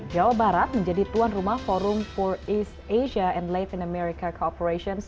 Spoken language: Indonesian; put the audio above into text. jawa barat menjadi tuan rumah forum for east asia and latin america cooperations